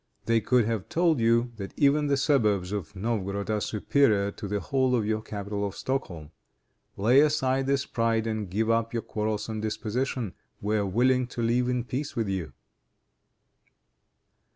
They could have told you, that even the suburbs of Novgorod are superior to the whole of your capital of Stockholm. Lay aside this pride, and give up your quarrelsome disposition. We are willing to live in peace with you."